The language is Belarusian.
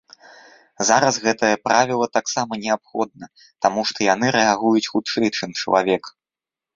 Зараз гэтае правіла таксама неабходна, таму што яны рэагуюць хутчэй, чым чалавек.